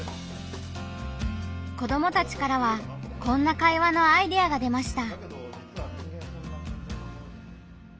子どもたちからはこんな会話のアイデアが出ました。